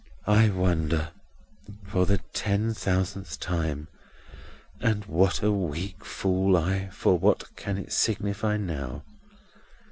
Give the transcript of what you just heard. "I wonder (for the ten thousandth time, and what a weak fool I, for what can it signify now!)